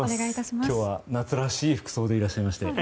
今日は夏らしい服装でいらっしゃいまして。